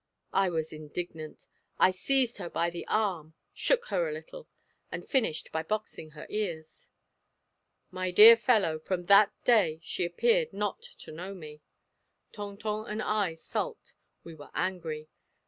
I was indignant. I seized her by the arm, shook her a little, and finished by boxing her ears. "My dear fellow, from that day she appeared not to know me. Tonton and I sulked; we were angry.